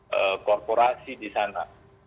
dan korporasi di sana